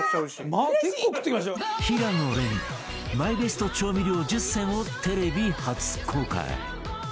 平野レミマイベスト調味料１０選をテレビ初公開